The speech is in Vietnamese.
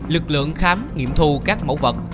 lực lượng khám nghiệm thu các mẫu vật